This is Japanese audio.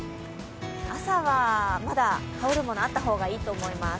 朝はまだ羽織るものあった方がいいと思います。